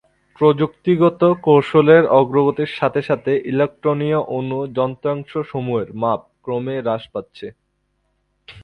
প্রযুক্তিগত কৌশলের অগ্রগতির সাথে সাথে ইলেকট্রনীয় অণু-যন্ত্রাংশসমূহের মাপ ক্রমে হ্রাস পাচ্ছে।